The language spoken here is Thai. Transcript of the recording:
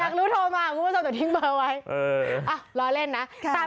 อยากรู้โทรมาก็ต้องทิ้งเบอร์ไว้อ่ะล้อเล่นนะ